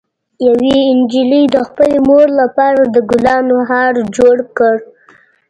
یوه نجلۍ د خپلې مور لپاره د ګلانو هار جوړ کړ.